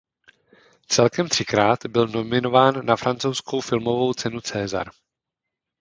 Celkem třikrát byl nominován na francouzskou filmovou cenu César.